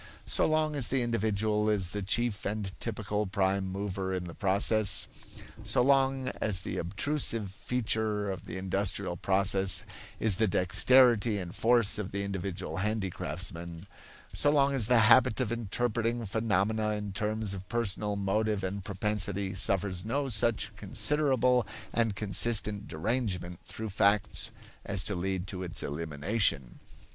So long as the individual is the chief and typical prime mover in the process; so long as the obtrusive feature of the industrial process is the dexterity and force of the individual handicraftsman; so long the habit of interpreting phenomena in terms of personal motive and propensity suffers no such considerable and consistent derangement through facts as to lead to its elimination.